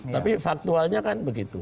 tapi faktualnya kan begitu